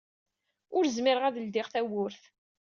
Ur zmireɣ ad d-ldiɣ tawwurt.